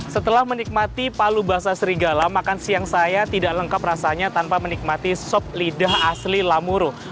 setelah menikmati palu basah serigala makan siang saya tidak lengkap rasanya tanpa menikmati sop lidah asli lamuru